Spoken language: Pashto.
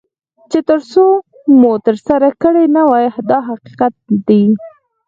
چې تر څو مو ترسره کړي نه وي دا حقیقت دی.